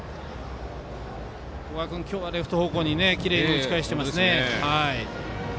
小川君今日はレフト方向にきれいに打ち返していますね。